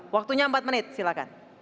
waktunya empat menit silakan